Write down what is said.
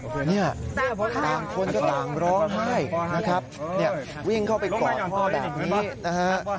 เนี่ยต่างคนก็ต่างร้องไห้นะครับวิ่งเข้าไปกอดพ่อแบบนี้นะฮะ